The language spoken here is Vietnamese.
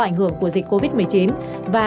ảnh hưởng của dịch covid một mươi chín và